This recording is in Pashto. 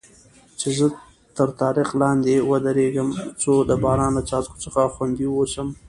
چې زه تر طاق لاندې ودریږم، څو د باران له څاڅکو څخه خوندي واوسم.